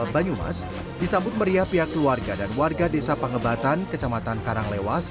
banyumas disambut meriah pihak keluarga dan warga desa pangebatan kecamatan karanglewas